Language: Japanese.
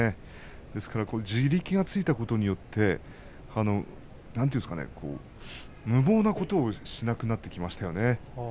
だから地力がついたことによってなんていうんでしょうか無謀なことをしなくなってきましたね。